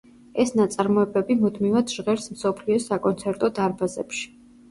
ეს ნაწარმოებები მუდმივად ჟღერს მსოფლიოს საკონცერტო დარბაზებში.